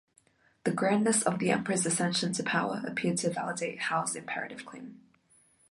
The grandness of the emperor's ascension to power appeared to validate Howell's imperative claim.